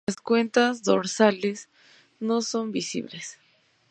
Las cuentas dorsales no son visibles.